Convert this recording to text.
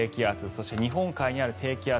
そして日本海にある低気圧。